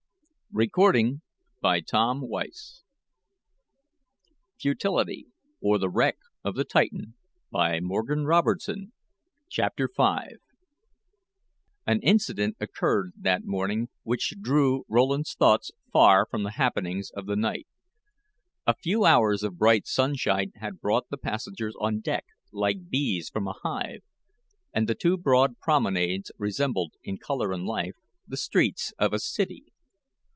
It was good whisky a leader to warm his stomach while the captain was studying. CHAPTER V An incident occurred that morning which drew Rowland's thoughts far from the happenings of the night. A few hours of bright sunshine had brought the passengers on deck like bees from a hive, and the two broad promenades resembled, in color and life, the streets of a city.